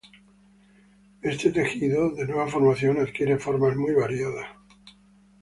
Este tejido de nueva formación adquiere formas muy variadas.